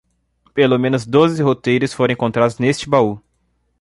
Pelo menos doze roteiros foram encontrados neste baú.